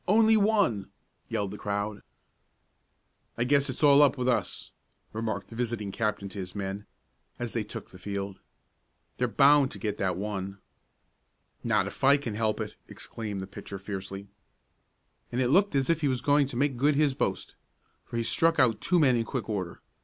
Only one!" yelled the crowd. "I guess it's all up with us," remarked the visiting captain to his men, as they took the field. "They're bound to get that one." "Not if I can help it!" exclaimed the pitcher fiercely. And it looked as if he was going to make good his boast, for he struck out two men in quick order.